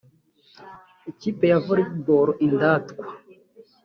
ikipi ya Volley Ball (Indatwa)